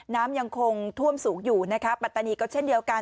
น้ำยังคงท่วมสูงอยู่นะคะปัตตานีก็เช่นเดียวกัน